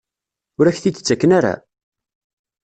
Ur ak-t-id-ttaken ara?